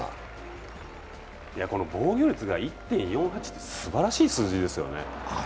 防御率が１．４８ってすばらしい数字ですよね。